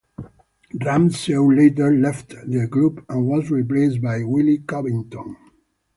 Ramseur later left the group and was replaced by Billy Covington.